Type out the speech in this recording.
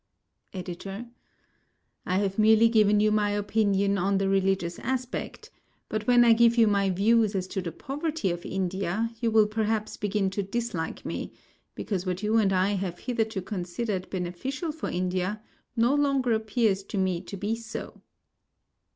EDITOR: I have merely given you my opinion on the religious aspect, but when I give you my views as to the poverty of India you will perhaps begin to dislike me, because what you and I have hitherto considered beneficial for India no longer appears to me to be so.